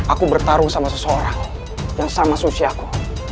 aku bertarung sama seseorang yang sama sosialku